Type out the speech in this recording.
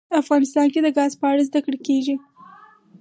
افغانستان کې د ګاز په اړه زده کړه کېږي.